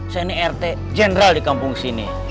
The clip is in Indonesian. saya ini rt general di kampung sini